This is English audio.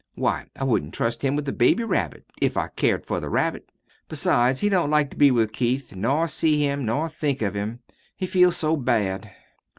Why, I wouldn't trust him with a baby rabbit if I cared for the rabbit. Besides, he don't like to be with Keith, nor see him, nor think of him. He feels so bad."